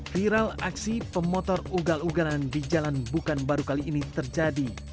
viral aksi pemotor ugal ugalan di jalan bukan baru kali ini terjadi